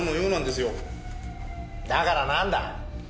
だからなんだ。